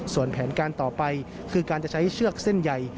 ส่วนแผนการต่อไปคือการจะใช้เชือกเส้นใหญ่